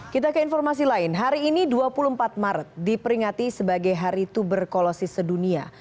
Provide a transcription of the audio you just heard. kita ke informasi lain hari ini dua puluh empat maret diperingati sebagai hari tuberkulosis sedunia